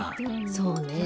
そうね。